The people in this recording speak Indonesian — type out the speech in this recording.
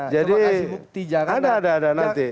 jadi ada ada nanti